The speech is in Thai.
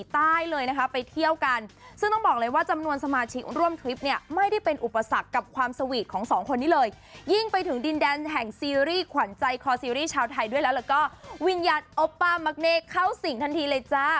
สัญญาณโอป้ามักเนคเข้าสิ่งทันทีเลยจ้า